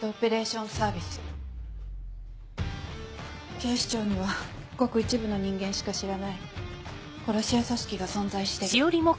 警視庁にはごく一部の人間しか知らない殺し屋組織が存在してる。